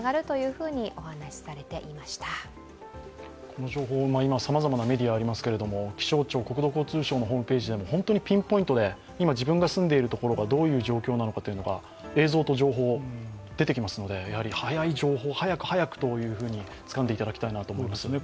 この情報、今さまざまなメディアがありますけれども、気象庁、国土交通省のホームページなど本当にピンポイントで、今自分が住んでいるところがどういう状況なのか、映像と情報て出てきますので、早い情報を早く、早くとつかんでいただきたいなと思いますね。